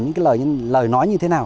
những cái lời nói như thế nào